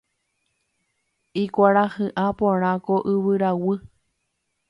Ikuarahy'ã porã ko yvyraguy.